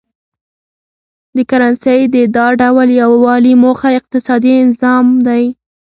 د کرنسۍ د دا ډول یو والي موخه اقتصادي انضمام دی.